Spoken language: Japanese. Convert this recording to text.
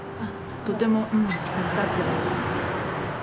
とても助かっています。